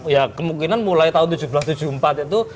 ya kemungkinan mulai tahun seribu tujuh ratus tujuh puluh empat itu